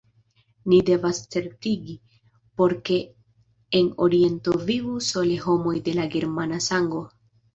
Ni devas certigi, por ke en Oriento vivu sole homoj de germana sango.